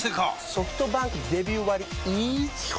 ソフトバンクデビュー割イズ基本